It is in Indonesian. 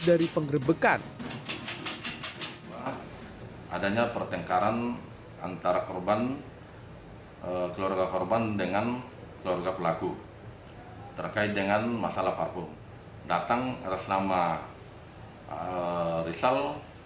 dengan keluarga pelaku terkait dengan masalah parfum datang resnama rizal